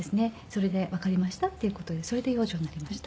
それでわかりましたっていう事でそれで養女になりました。